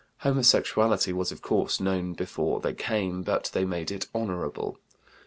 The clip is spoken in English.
Homosexuality was, of course, known before they came, but they made it honorable.